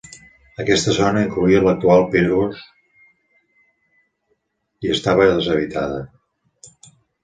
Aquesta zona incloïa l'actual Pyrgos i estava deshabitada.